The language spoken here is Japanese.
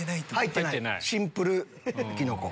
シンプルキノコ。